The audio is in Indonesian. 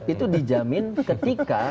itu dijamin ketika